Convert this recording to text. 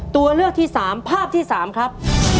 ตัวเลือกที่สามภาพที่สามครับ